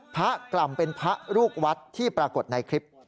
กล่ำเป็นพระลูกวัดที่ปรากฏในคลิป